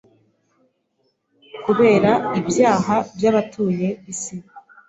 Kubera ibyaha by’abatuye isi,